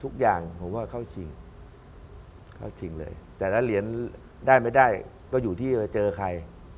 ทุกอย่างผมว่าเข้าชิงเข้าชิงเลยแต่ละเหรียญได้ไม่ได้ก็อยู่ที่ว่าเจอใคร